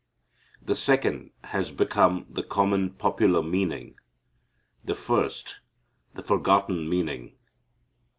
The second has become the common popular meaning; the first, the forgotten meaning.